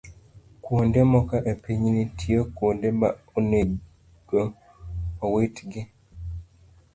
Kuonde moko e piny, nitie kuonde ma onego owitgi.